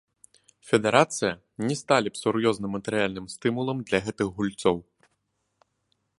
Федэрацыя, не сталі б сур'ёзным матэрыяльным стымулам для гэтых гульцоў.